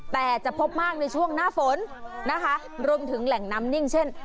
แต่จะพบมากในช่วงหน้าฝนนะคะรวมถึงแหล่งน้ำนิ่งเช่น